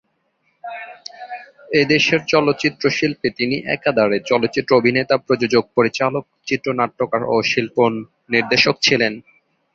এ দেশের চলচ্চিত্র শিল্পে তিনি একাধারে চলচ্চিত্র অভিনেতা, প্রযোজক, পরিচালক, চিত্রনাট্যকার ও শিল্প নির্দেশক ছিলেন।